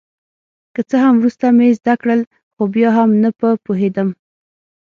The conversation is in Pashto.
که څه هم وروسته مې زده کړل خو بیا هم نه په پوهېدم.